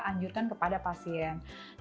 anjurkan kepada pasien